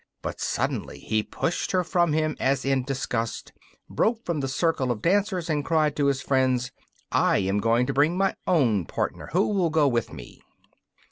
But suddenly he pushed her from him as in disgust, broke from the circle of dancers, and cried to his friends: 'I am going to bring my own partner. Who will go with me?